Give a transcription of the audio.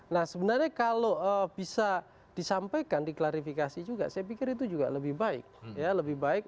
nah sebenarnya kalau bisa disampaikan diklarifikasi juga saya pikir itu juga lebih baik